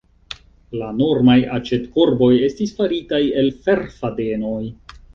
La normaj aĉetkorboj estis faritaj el ferfadenoj.